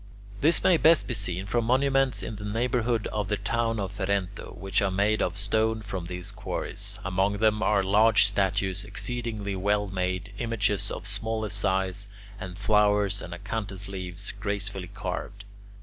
This may best be seen from monuments in the neighbourhood of the town of Ferento which are made of stone from these quarries. Among them are large statues exceedingly well made, images of smaller size, and flowers and acanthus leaves gracefully carved.